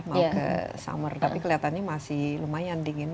mau ke summer tapi kelihatannya masih lumayan dingin